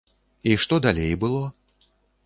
І што далей было?